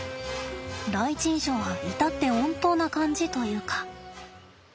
第一印象は至って穏当な感じというか。